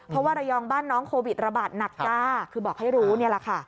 เพราะว่าระยองบ้านน้องโควิดระบาดหนักจ้าคือบอกให้รู้นี่แหละค่ะ